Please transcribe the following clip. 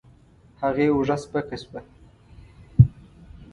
هغې اوږه سپکه شوه.